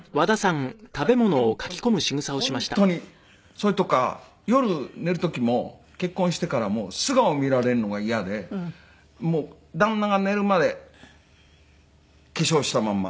それとか夜寝る時も結婚してからも素顔を見られるのが嫌で旦那が寝るまで化粧したまんま。